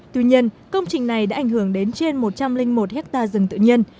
tuy nhiên công trình này đã ảnh hưởng đến trên một trăm linh một hectare rừng tự nhiên